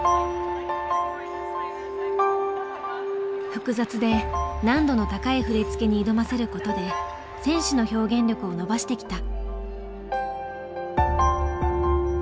複雑で難度の高い振り付けに挑ませることで選手の表現力を伸ばしてきた。